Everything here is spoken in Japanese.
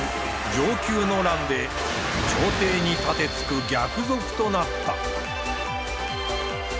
承久の乱で朝廷に盾つく逆賊となった。